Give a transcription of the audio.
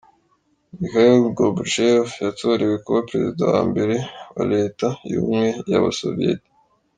Mikhail Gorbachev yatorewe kuba perezida wa mbere wa Leta y’ubumwe y’abasoviyeti.